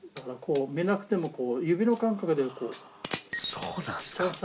そうなんすか。